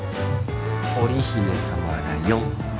織姫様だよん。